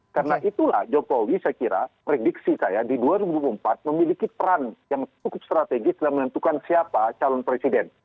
karena itulah jokowi saya kira prediksi saya di dua ribu dua puluh empat memiliki peran yang cukup strategis dalam menentukan siapa calon presiden